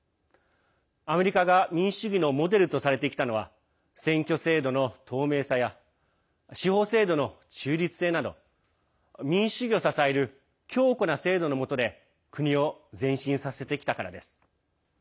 アメリカが民主主義のモデルとされてきたのは選挙制度の透明さや司法制度の中立性など民主主義を支える強固な制度のもとで国を前進させてきたからです。